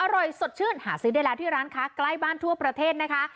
อร่อยสดชื่นหาซื้อได้แล้วที่ร้านค้าใกล้บ้านทั่วประเทศนะคะ